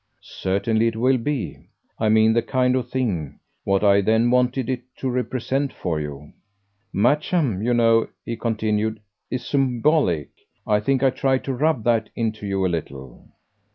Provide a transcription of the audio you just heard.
"Certainly it will be I mean the kind of thing: what I then wanted it to represent for you. Matcham, you know," he continued, "is symbolic. I think I tried to rub that into you a little."